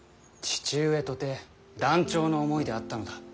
父上とて断腸の思いであったのだ。